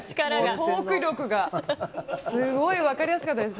トーク力がすごい分かりやすかったです。